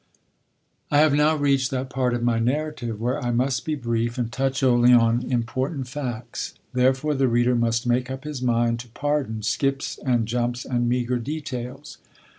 XI I have now reached that part of my narrative where I must be brief and touch only on important facts; therefore the reader must make up his mind to pardon skips and jumps and meager details.